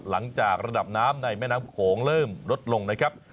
หลังจากระดับน้ำในแม่น้ำโขงเริ่มลดลงนะครับ